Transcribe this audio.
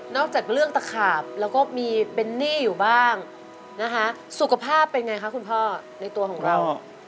จากเรื่องตะขาบแล้วก็มีเป็นหนี้อยู่บ้างนะคะสุขภาพเป็นไงคะคุณพ่อในตัวของเรา